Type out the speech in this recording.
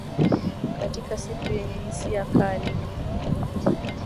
Katika siku yenye hisia kali